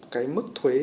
cái mức thuế